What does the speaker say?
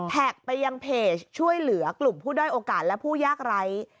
ไปยังเพจช่วยเหลือกลุ่มผู้ด้อยโอกาสและผู้ยากไร้